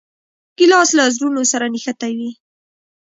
ګیلاس له زړونو سره نښتي وي.